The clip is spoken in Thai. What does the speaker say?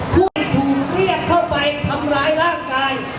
กล้วยถูกเสี้ยงเข้าไปทำร้ายร่างกาย